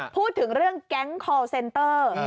พูดถึงเรื่องแก๊งคอลเซนเตอร์